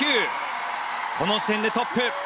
この時点でトップ！